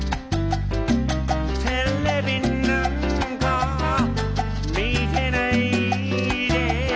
「ＴＶなんか見てないで」